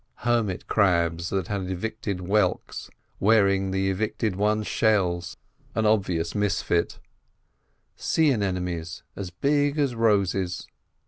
Hermit crabs that had evicted whelks, wearing the evicted ones' shells—an obvious misfit; sea anemones as big as roses.